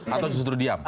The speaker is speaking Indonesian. atau justru diam